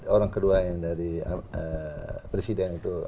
orang kedua yang dari presiden itu